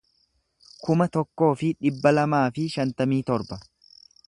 kuma tokkoo fi dhibba lamaa fi shantamii torba